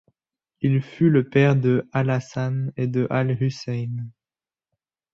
Il fut le père de al-Hassan et de al-Hussein.